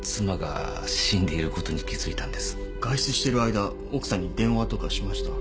外出してる間奥さんに電話とかしました？